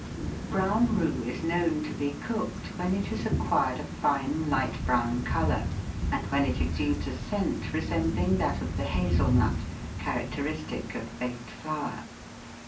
Brown roux is known to be cooked when it has acquired a fine, light brown colour, and when it exudes a scent re sembling tha;t of the hazel nut, characteristic of baked flour.